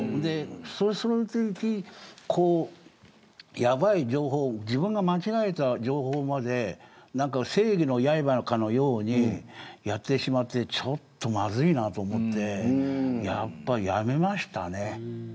そのときに、やばい情報自分が間違えた情報まで正義のやいばかのようにやってしまってちょっと、まずいなと思ってやっぱりやめましたね。